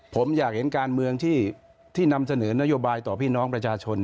ผมอยากเห็นการเมืองที่นำเสนอนโยบายต่อพี่น้องประชาชน